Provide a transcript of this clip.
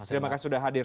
terima kasih sudah hadir